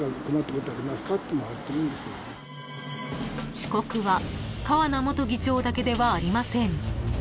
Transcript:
［遅刻は川名元議長だけではありません］